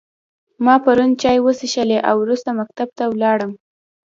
ما پرون چای وچیښلی او وروسته مکتب ته ولاړم